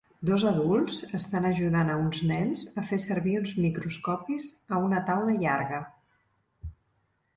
Dos adults estan ajudant a uns nens a fer servir uns microscopis a una taula llarga.